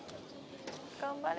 頑張れ。